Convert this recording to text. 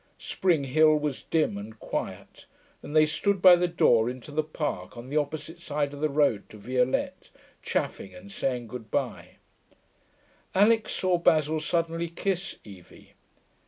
Spring Hill was dim and quiet, and they stood by the door into the Park, on the opposite side of the road to Violette, chaffing and saying good bye. Alix saw Basil suddenly kiss Evie.